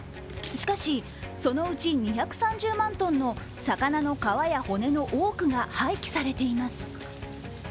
しかし、そのうち２３０万トンの魚の皮や骨の多くが廃棄されています。